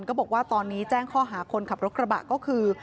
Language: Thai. ก็บอกว่าตอนนี้แจ้งข้อหาคนขับรถกระบะก็คือ